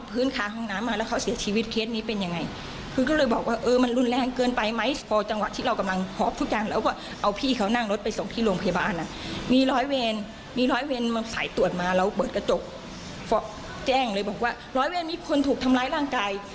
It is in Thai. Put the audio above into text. เปิดกระจกแจ้งเลยบอกว่า๑๐๐เวรมีคนถูกทำร้ายร่างกาย